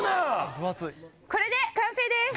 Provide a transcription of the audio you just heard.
分厚いこれで完成です！